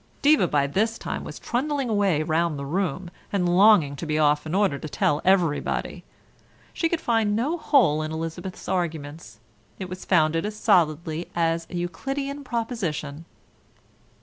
Diva by this time was trundling away round the room, and longing to be off in order to tell everybody. She could find no hole in Elizabeth's arguments; it was founded as solidly as a Euclidean proposition.